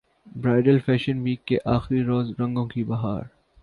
bridal fashion week کے اخری روز رنگوں کی بہار